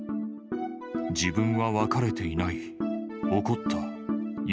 自分は別れていない。